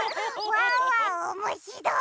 ワンワンおもしろい！